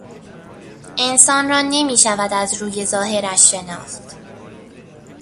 انسان را نمیشود از روی ظاهرش شناخت.